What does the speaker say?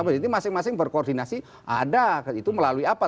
jadi masing masing berkoordinasi ada itu melalui apa